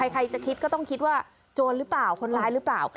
ใครจะคิดก็ต้องคิดว่าโจรหรือเปล่าคนร้ายหรือเปล่า